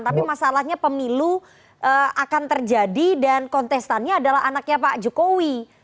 tapi masalahnya pemilu akan terjadi dan kontestannya adalah anaknya pak jokowi